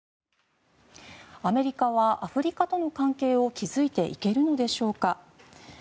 アメリカはアフリカとの関係を築いていけるのでしょうか。